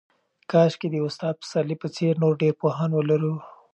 کاشکې د استاد پسرلي په څېر نور ډېر پوهان ولرو.